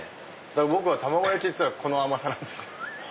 僕は卵焼きっつったらこの甘さなんですよ。